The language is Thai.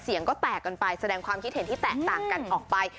เสียงก็แตกกันไปแสดงความคิดเห็นที่แตกต่างกันออกไป